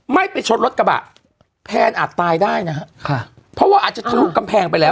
ไม่ไปชดรถกระบะแพนอาจตายได้นะฮะค่ะเพราะว่าอาจจะทะลุกำแพงไปแล้ว